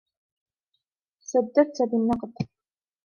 سددت بالنقد.